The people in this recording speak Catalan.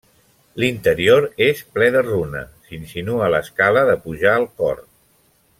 L'interior és ple de runa; s'insinua l'escala de pujar al cor.